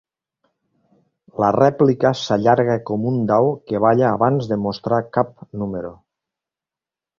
La rèplica s'allarga com un dau que balla abans de mostrar cap número.